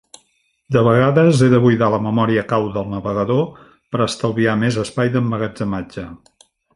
De vegades, he de buidar la memòria cau del navegador per estalviar més espai d'emmagatzematge.